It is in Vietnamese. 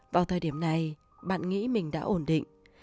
vào thời điểm này bạn nghĩ mình đã ổn định